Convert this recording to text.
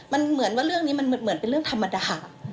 มันเหมือนว่าเรื่องนี้มันเหมือนเป็นเรื่องธรรมดา